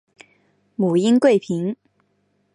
母殷贵嫔。